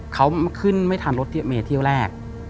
เขาขึ้นไม่ทันรถเมย์เที่ยวแรก